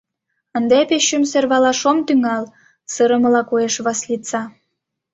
Ынде Печум сӧрвалаш ом тӱҥал, — сырымыла коеш Васлица.